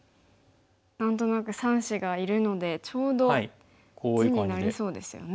何となく３子がいるのでちょうど地になりそうですよね。